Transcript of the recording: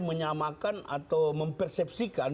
menyamakan atau mempersepsikan